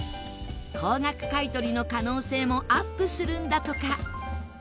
高額買い取りの可能性もアップするんだとか。